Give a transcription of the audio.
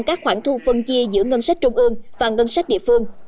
các khoản thu phân chia giữa ngân sách trung ương và ngân sách địa phương